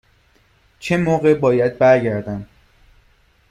چه موقع باید برگردم؟